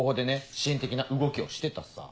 支援的な動きをしてたさ。